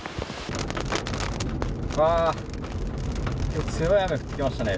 あー、すごい雨降ってきましたね。